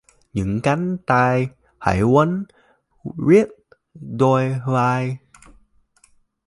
Những cánh tay! Hãy quấn riết đôi vai!